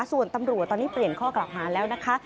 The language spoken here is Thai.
ส่วนตำรวจตอนนี้เปลี่ยนข้อกล่าวหาแล้วนะคะ